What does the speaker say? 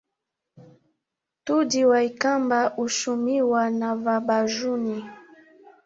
Ntudhi wa ikamba huchumiwa na vabajuni.